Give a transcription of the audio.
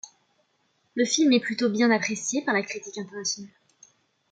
Le film est plutôt bien apprécié par la critique internationale.